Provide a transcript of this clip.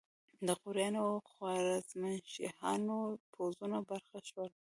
د غوریانو او خوارزمشاهیانو پوځونو برخه شول.